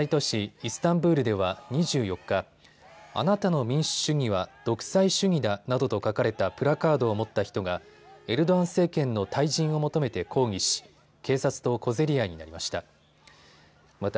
イスタンブールでは２４日、あなたの民主主義は独裁主義だなどと書かれたプラカードを持った人がエルドアン政権の退陣を求めて抗議し警察と小競り合いになりました。